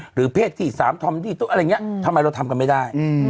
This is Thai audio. หรือเพศ๔๓ทำดีตุ๊กอะไรอย่างนี้ทำไมเราทำกันไม่ได้